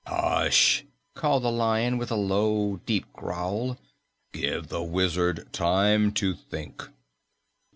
"Hush!" called the Lion with a low, deep growl. "Give the Wizard time to think."